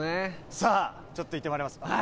さあ、ちょっと行ってまいります。